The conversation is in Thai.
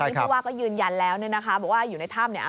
ผู้ว่าก็ยืนยันแล้วเนี่ยนะคะบอกว่าอยู่ในถ้ำเนี่ย